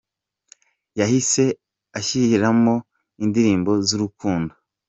Yahise ashyiramo indirimbo z'urukundo.